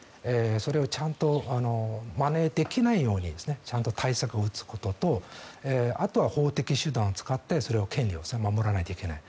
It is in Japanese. それをちゃんとまねできないようにちゃんと対策を打つこととあとは法的手段を使って権利を守らないといけない。